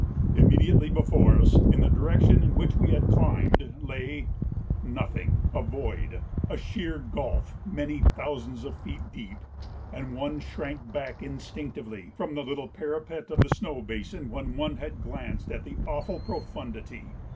Immediately before us, in the direction in which we had climbed, lay nothing: a void, a sheer gulf many thousands of feet deep, and one shrank back instinctively from the little parapet of the snow basin when one had glanced at the awful profundity.